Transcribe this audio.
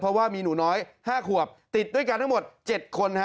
เพราะว่ามีหนูน้อย๕ขวบติดด้วยกันทั้งหมด๗คน